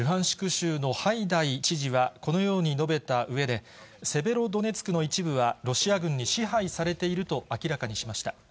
州のハイダイ知事はこのように述べたうえで、セベロドネツクの一部はロシア軍に支配されていると明らかにしました。